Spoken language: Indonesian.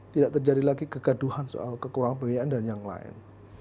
tidak terjadi lagi kegaduhan soal kekurangan pembiayaan dan yang lain